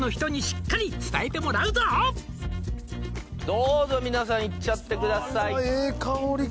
どうぞ皆さんいっちゃってください・ええ香り